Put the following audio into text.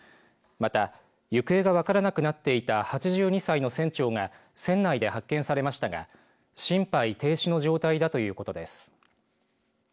また、行方が分からなくなっていた８２歳の船長が船内で発見されましたが心肺停止の状態だということです。